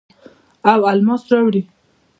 او الماس راوړي